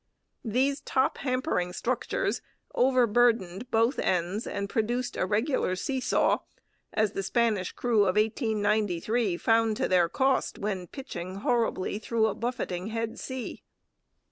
These top hampering structures over burdened both ends and produced a regular see saw, as the Spanish crew of 1893 found to their cost when pitching horribly through a buffeting head sea.